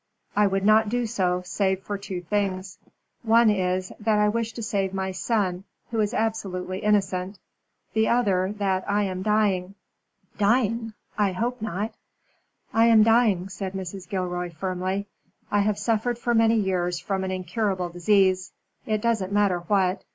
"I would not do so, save for two things. One is, that I wish to save my son, who is absolutely innocent; the other, that I am dying." "Dying? I hope not." "I am dying," said Mrs. Gilroy, firmly. "I have suffered for many years from an incurable disease it doesn't matter what.